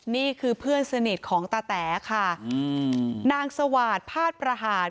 นี่คือเพื่อนสนิทของตาแต๋ค่ะอืมนางสวาสตร์พาดประหาร